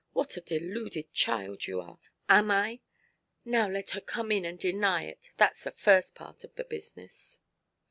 What a deluded child you are!" "Am I? Now let her come in, and deny it. Thatʼs the first part of the business."